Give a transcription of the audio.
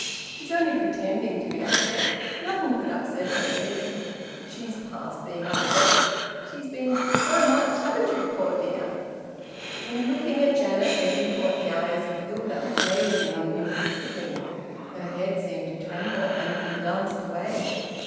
She's only pretending to be upset. Nothing could upset her, really. She's past being upset she's been through so much haven't you, you poor dear?" In looking at Janet, Edwin caught the eyes of Hilda blazing on him fixedly. Her head seemed to tremble, and he glanced away.